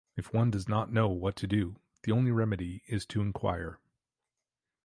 If one does not know what to do, the only remedy is to inquire.